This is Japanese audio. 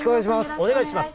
お願いします。